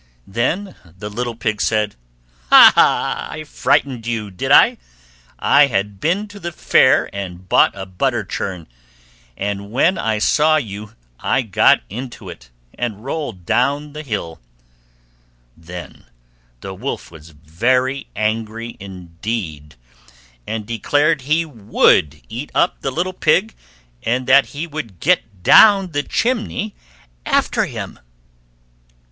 Then the little Pig said, "Hah! I frightened you, did I? I had been to the Fair and bought a butter churn, and when I saw you I got into it, and rolled down the hill." Then the Wolf was very angry indeed, and declared he would eat up the little Pig, and that he would get down the chimney after him.